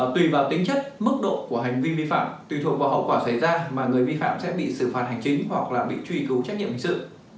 tùy vào tính chất mức độ của hành vi vi phạm tùy thuộc vào hậu quả xảy ra mà người vi phạm sẽ bị xử phạt hành chính hoặc là bị truy cứu trách nhiệm hình sự